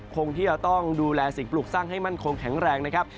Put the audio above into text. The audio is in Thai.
คงที่จะต้องดูแลสิ่งปลูกสร้างให้มั่นคงแข็งแรงนะครับ